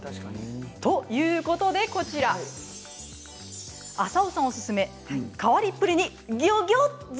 ということでこちら浅尾さんおすすめ変わりっぷりにギョギョッザ！